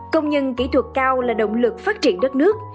công nhân kỹ thuật cao là động lực phát triển đất nước